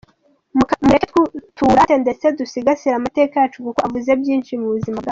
mureke tuwurate ndetse dusigasire amateka yacu kuko avuze byinshi mu buzima bwacu".